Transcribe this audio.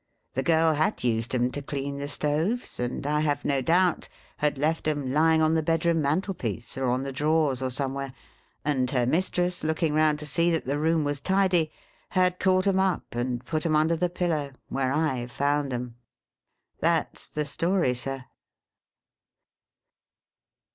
The girl had used 'em to clean the stoves, and, I have no doubt, had left 'em lying on the bed room mantel piece, or on the drawers, or some where ; and her mistress, looking round to see that the room was tidy, had caught 'em up and put 'em under the pillow where I found 'em. " That 's the story, Sir.